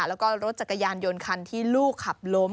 แล้วก็รถจักรยานยนต์คันที่ลูกขับล้ม